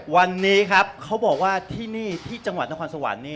วันนี้ครับเขาบอกว่าที่นี่ที่จังหวัดนครสวรรค์นี่